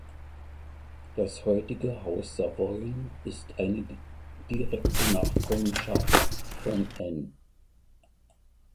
Das heutige Haus Savoyen ist eine direkte Nachkommenschaft von Anne.